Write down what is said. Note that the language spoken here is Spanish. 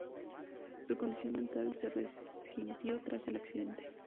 Su condición mental se resintió tras el accidente.